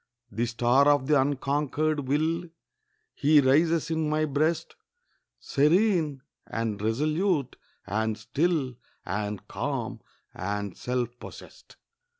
The star of the unconquered will, He rises in my breast, Serene, and resolute, and still, And calm, and self possessed.